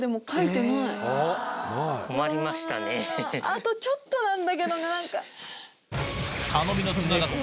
あとちょっとなんだけどな。